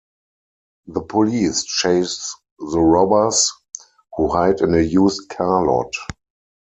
The police chase the robbers, who hide in a used car lot.